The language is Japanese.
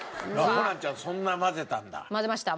ホランちゃんそんな混ぜたんだ？